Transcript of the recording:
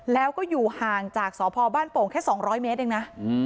แล้วก็อยู่ห่างจากสพบ้านโป่งแค่๒๐๐เมตรเองนะ